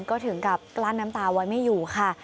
ก็ถึงกับกลั้นน้ำตาไว้ไม่อยู่ค่ะ